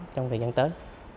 trong thời gian tới